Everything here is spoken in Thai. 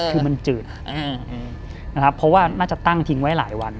คือมันจืดนะครับเพราะว่าน่าจะตั้งทิ้งไว้หลายวัน